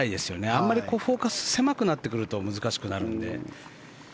あまりフォーカス、狭くなってくると難しくなるので。